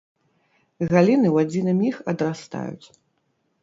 Галіны ў адзін міг адрастаюць.